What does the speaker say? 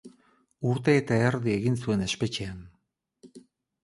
Urte eta erdi egin zuen espetxean.